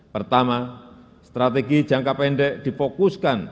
pertama strategi jangka pendek difokuskan